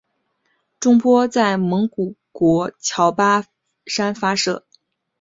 中波在蒙古国乔巴山发射。